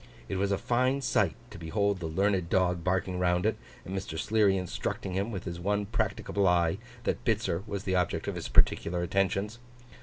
It was a fine sight, to behold the learned dog barking round it, and Mr. Sleary instructing him, with his one practicable eye, that Bitzer was the object of his particular attentions.